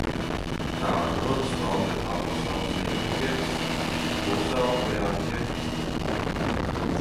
Tā atrodas Tongatapu salas ziemeļu piekrastē, Klusā okeāna piekrastē.